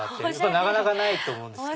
なかなかないと思うんですけど。